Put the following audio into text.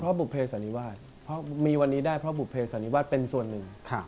เพราะบุเภสันนิวาสเพราะมีวันนี้ได้เพราะบุเภสันนิวาสเป็นส่วนหนึ่ง